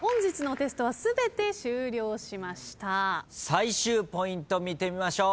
最終ポイント見てみましょう。